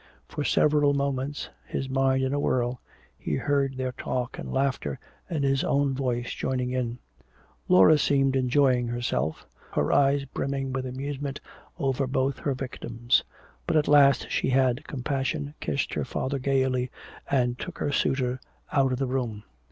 For several moments, his mind in a whirl, he heard their talk and laughter and his own voice joining in. Laura seemed enjoying herself, her eyes brimming with amusement over both her victims. But at last she had compassion, kissed her father gaily and took her suitor out of the room.